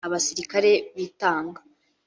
abasirikare bitanga